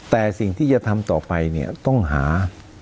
แต่สิ่งที่จะทำต่อไปเนี่ยต้องหา